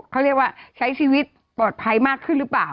เขาเรียกว่าใช้ชีวิตปลอดภัยมากขึ้นหรือเปล่า